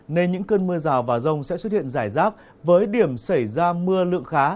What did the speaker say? nên những cơn mưa rào và rông sẽ xuất hiện rải rác với điểm xảy ra mưa lượng khá